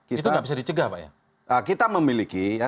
itu nggak bisa dicegah pak ya